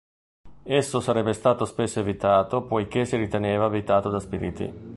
Esso sarebbe stato spesso evitato poiché si riteneva abitato da spiriti.